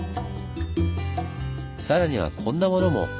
さらにはこんなものも！